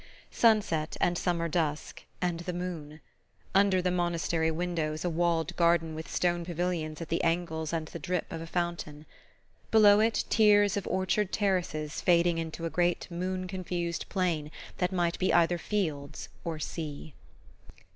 Sunset, and summer dusk, and the moon. Under the monastery windows a walled garden with stone pavilions at the angles and the drip of a fountain. Below it, tiers of orchard terraces fading into a great moon confused plain that might be either fields or sea...